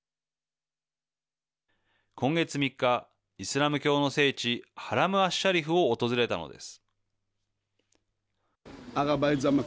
今月３日、イスラム教の聖地ハラム・アッシャリフを訪れたのです。